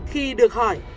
khi được hỏi